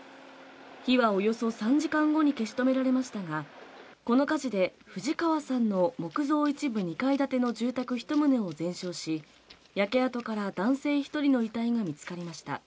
火はおよそ３時間後に消し止められましたが、この火事で藤川さんの木造一部２階建ての住宅１棟を全焼し、焼け跡から男性１人の遺体が見つかりました。